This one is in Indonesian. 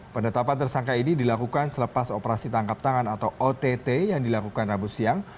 penetapan tersangka ini dilakukan selepas operasi tangkap tangan atau ott yang dilakukan rabu siang